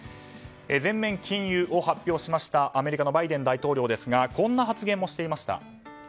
全面禁輸を発表しましたアメリカのバイデン大統領ですがこんな発言をしていました。